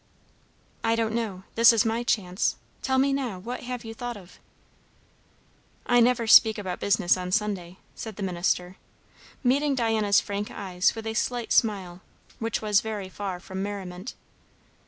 "I don't know. This is my chance. Tell me now. What have you thought of?" "I never speak about business on Sunday," said the minister, meeting Diana's frank eyes with a slight smile which was very far from merriment.